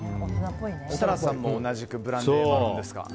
設楽さんも同じくブランデーマロンですか。